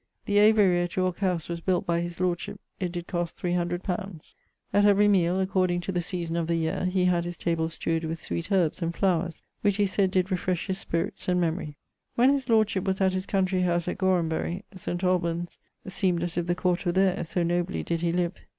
The aviary at Yorke house was built by his lordship; it did cost 300_li._ At every meale, according to the season of the yeare, he had his table strewed with sweet herbes and flowers, which he sayd did refresh his spirits and memorie. When his lordship was at his country house at Gorhambery, St. Albans seemed as if the court were there, so nobly did he live.